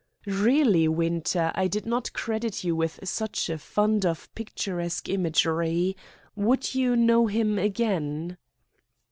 "Really, Winter, I did not credit you with such a fund of picturesque imagery. Would you know him again?"